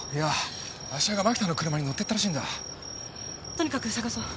とにかく捜そう。